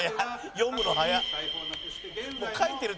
読むの早っ！